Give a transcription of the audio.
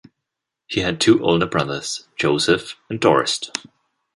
He had two older brothers, Joseph and Dorst.